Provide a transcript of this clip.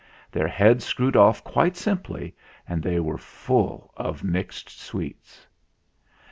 Their heads screwed off quite simply, and they were full of mixed sweets.